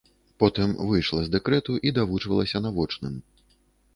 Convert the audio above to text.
Потым выйшла з дэкрэту і давучвалася на вочным.